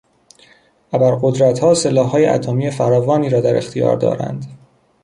ابرقدرتها سلاحهای اتمی فراوانی را در اختیار دارند.